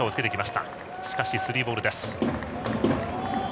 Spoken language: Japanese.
しかしスリーボール。